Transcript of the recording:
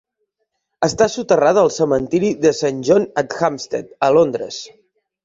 Està soterrada al cementiri de Saint John-at-Hampstead a Londres.